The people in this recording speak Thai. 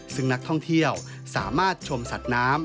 ซึ่งนักท่องเที่ยวสามารถชมสัตว์น้ำ